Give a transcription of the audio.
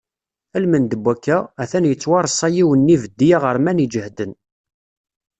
Almend n wakka, atan yettwareṣṣa yiwen n yibeddi aɣerman iǧehden.